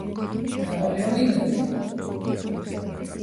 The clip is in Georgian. ნაპოლეონი ნოდო